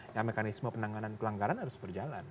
nah mekanisme penanganan pelanggaran harus berjalan